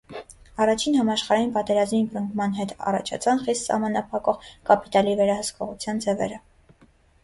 Առաջին համաշխարհային պատերազմի բռնկման հետ առաջացան խիստ սահմանափակող կապիտալի վերահսկողության ձևերը։